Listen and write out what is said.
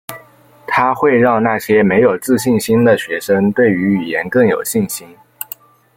它会让那些没有自信心的学生对于语言更有信心。